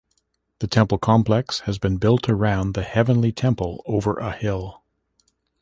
The temple complex has been built around the heavenly temple over a hill.